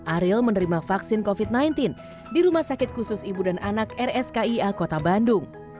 ariel menerima vaksin covid sembilan belas di rumah sakit khusus ibu dan anak rskia kota bandung